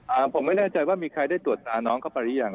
พี่บ๊วยผมไม่แน่ใจมีใครได้ตรวจสาน้องเข้าไปหรือยัง